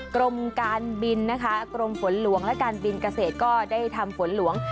กรมการบินนะคะกรมฝนหลวงและการบินเกษตรก็ได้ทำฝนหลวง